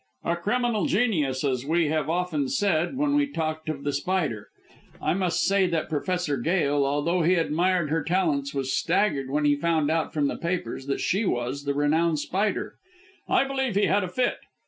"A criminal genius, as we have often said when we talked of The Spider. I must say that Professor Gail, although he admired her talents, was staggered when he found out from the papers that she was the renowned Spider. I believe he had a fit.